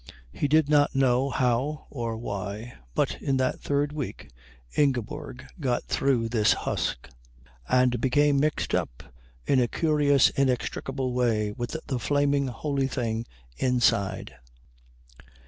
He did not know how or why, but in that third week Ingeborg got through this husk and became mixed up in a curious inextricable way with the flaming holy thing inside.